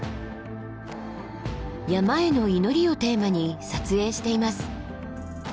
「山への祈り」をテーマに撮影しています。